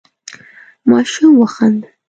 ماشوم وخندل.